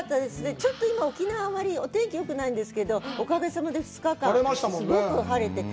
ちょっと今、沖縄はあまりお天気よくないんですけど、おかげさまで２日間、すごく晴れて。